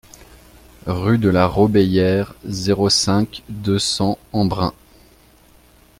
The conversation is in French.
Rue de la Robéyère, zéro cinq, deux cents Embrun